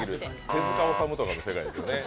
手塚治虫とかの世界ですね。